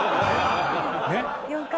４回。